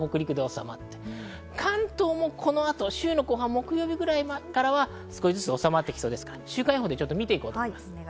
関東もこの後、木曜日くらいからは少しずつ治まってきそうです。